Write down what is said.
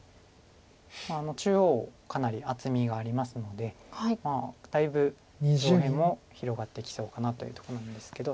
中央かなり厚みがありますのでだいぶ上辺も広がってきそうかなというところなんですけど。